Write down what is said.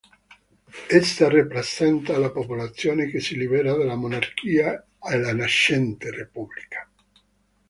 Essa rappresenta la popolazione che si libera dalla monarchia e la nascente Repubblica.